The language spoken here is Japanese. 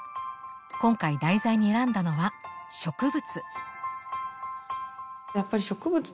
今回題材に選んだのは「植物」。